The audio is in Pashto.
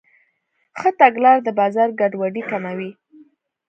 ښه تګلاره د بازار ګډوډي کموي.